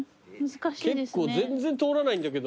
結構全然通らないんだけど。